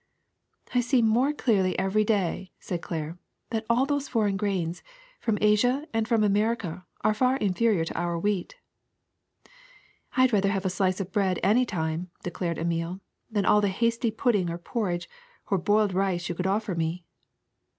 *'*^ I see more clearly every day, '' said Claire, ^' that all those foreign grains, from Asia and from Amer ica, are far inferior to our wheat. '' ^^I 'd rather have a slice of bread, any time,'* de clared Emile, ^Hhan all the hasty pudding or por ridge or boiled rice you could offer me.